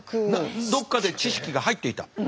どっかで知識が入っていた？